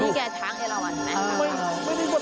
นี่แกช้างเอระวันยังไง